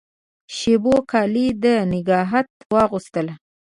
شېبو کالي د نګهت واغوستله